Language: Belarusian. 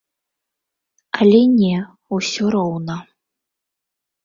Але не, усё роўна.